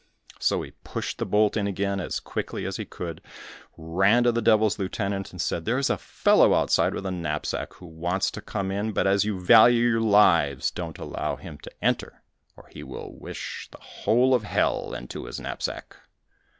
So he pushed the bolt in again as quickly as he could, ran to the devil's lieutenant, and said, "There is a fellow outside with a knapsack, who wants to come in, but as you value your lives don't allow him to enter, or he will wish the whole of hell into his knapsack.